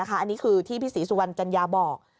อันนี้คือที่พี่ศรีสุวรรณจัญญาบอก